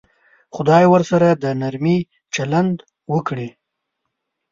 خدای ورسره د نرمي چلند وکړي.